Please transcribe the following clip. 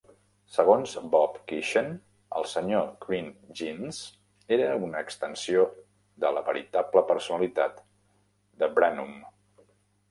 Segons Bob Keeshan, el senyor Green Jeans era una extensió de la veritable personalitat de Brannum.